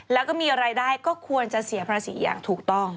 แล้วก็มีรายได้ก็ควรจะเสียภาษีอย่างถูกต้อง